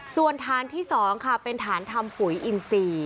ส่วนฐานที่๒ค่ะเป็นฐานทำปุ๋ยอินซี